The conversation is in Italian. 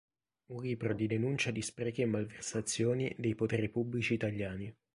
Un libro di denuncia di sprechi e malversazioni dei poteri pubblici italiani.